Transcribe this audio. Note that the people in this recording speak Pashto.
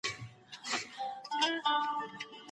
بدن ته مو کافي ارامي ورکړئ.